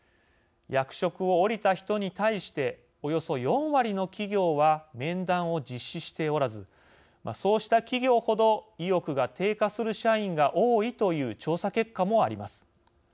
役職を降りた人に対しておよそ４割の企業は面談を実施しておらずそうした企業ほど意欲が低下する社員が多いという調査結果もあります。